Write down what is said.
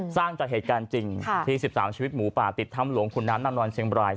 สร้างจากเหตุการณ์จริงที่๑๓ชีวิตหมูป่าติดถ้ำหลวงขุนน้ำนางนอนเชียงบราย